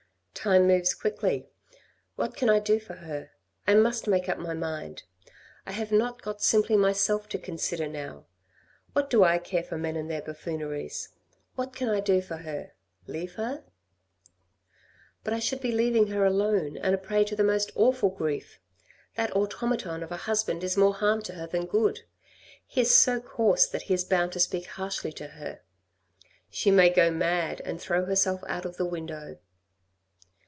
" Time moves quickly. What can I do for her ? I must make up my mind. I have not got simply myself to consider now. What do I care for men and their buffooneries ? What can I do for her ? Leave her ? But I should be leaving her alone and a prey to the most awful grief. That automaton of a husband is more harm to her than good. He is so coarse that he is bound to speak harshly to her. She may go mad and throw herself out of the window."